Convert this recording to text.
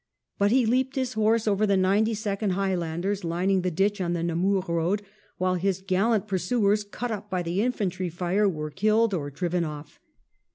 But he leaped his horse over the Ninety second High landers lining the ditch on the Namur road, while his gallant pursuers, cut up by the infantry fire, were killed or driven off.